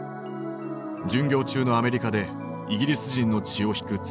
巡業中のアメリカでイギリス人の血を引く妻